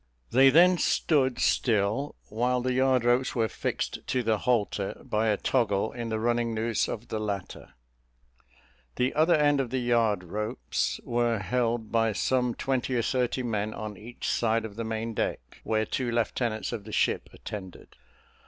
They then stood still while the yard ropes were fixed to the halter by a toggle in the running noose of the latter; the other end of the yard ropes were held by some twenty or thirty men on each side of the main deck, where two lieutenants of the ship attended.